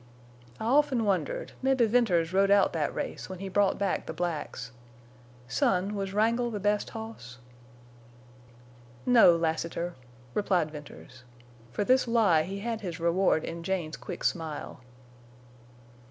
"I often wondered—mebbe Venters rode out that race when he brought back the blacks. Son, was Wrangle the best hoss?" "No, Lassiter," replied Venters. For this lie he had his reward in Jane's quick smile.